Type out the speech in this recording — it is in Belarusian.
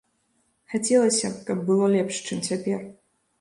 Хацелася б, каб было лепш, чым цяпер.